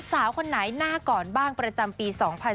สาวคนไหนหน้าก่อนบ้างประจำปี๒๕๖๒